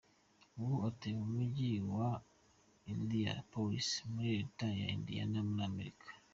Ubu atuye mu Mujyi wa Indianapolis muri Leta ya Indiana muri Amerika.